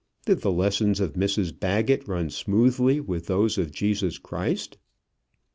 Did the lessons of Mrs Baggett run smoothly with those of Jesus Christ?